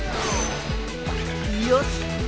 よし！